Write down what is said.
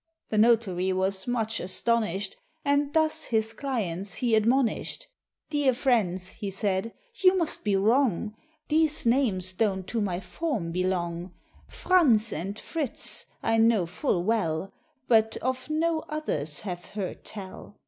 The Notary was much astonished, And thus his clients he admonished, "Dear friends," he said, "you must be wrong, These names don't to my form belong; Franz and Fritz I know full well, But of no others have heard tell."